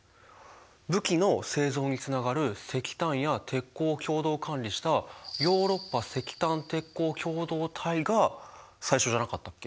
武器の製造につながる石炭や鉄鋼を共同管理したヨーロッパ石炭鉄鋼共同体が最初じゃなかったっけ？